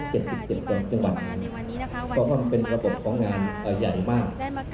ที่จะ่ทานมันมีมากแน่ครับขอบพอดูว่า